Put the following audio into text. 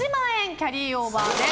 キャリーオーバーです。